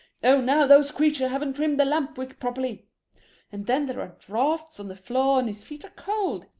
Oh, now those creatures haven't trimmed the lamp wick properly!" And then there are draughts on the floor and his feet are cold.